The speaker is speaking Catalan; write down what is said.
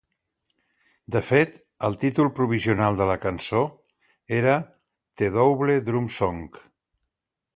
De fet, el títol provisional de la cançó era "The Double Drum Song".